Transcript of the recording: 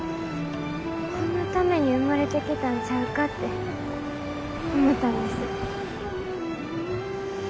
このために生まれてきたんちゃうかって思ったんです。